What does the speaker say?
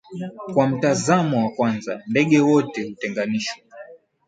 kwa mtazamo wa kwanza ndege wote hutenganishwa